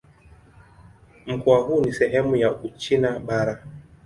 Mkoa huu ni sehemu ya Uchina Bara.